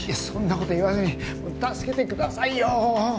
そんな事言わないで助けてくださいよ！